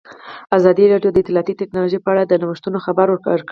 ازادي راډیو د اطلاعاتی تکنالوژي په اړه د نوښتونو خبر ورکړی.